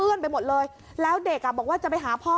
ไปหมดเลยแล้วเด็กอ่ะบอกว่าจะไปหาพ่อ